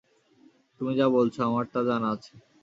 তুমি যা বলছ, আমার তা জানা আছে।